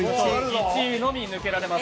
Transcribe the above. １位のみ抜けられます。